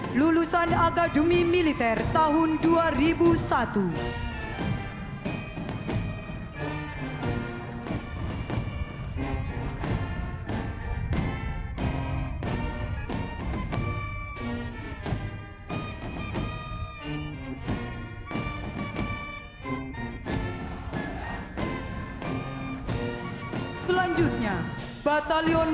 populasi as hidup sekolah dengan gps seharusnya bergantian satu